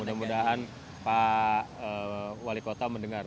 mudah mudahan pak wali kota mendengar